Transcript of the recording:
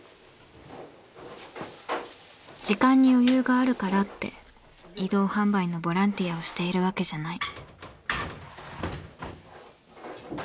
時間に余裕があるからって移動販売のボランティアをしているわけじゃない。